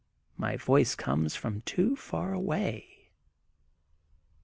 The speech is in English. My voice comes from too far away.